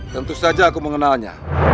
tentu saja aku mengenalnya